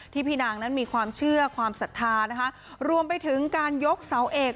พี่นางนั้นมีความเชื่อความศรัทธานะคะรวมไปถึงการยกเสาเอก